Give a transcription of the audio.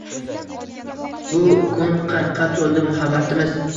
Bu kun qirqqa to’ldi muhabbatimiz.